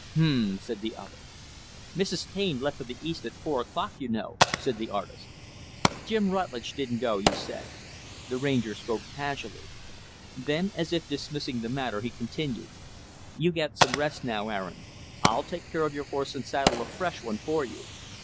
"Hu m m," said the other. "Mrs. Taine left for the East at four o'clock, you know," said the artist. "Jim Rutlidge didn't go, you said." The Ranger spoke casually. Then, as if dismissing the matter, he continued, "You get some rest now, Aaron. I'll take care of your horse and saddle a fresh one for you.